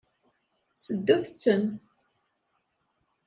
Seddut-ten.